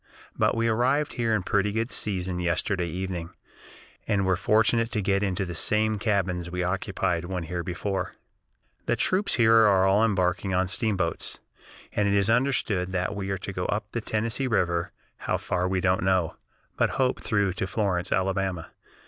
But we arrived here in pretty good season yesterday evening, and were fortunate to get into the same cabins we occupied when here before. "The troops here are all embarking on steamboats, and it is understood that we are to go up the Tennessee River, how far we don't know, but hope through to Florence, Alabama.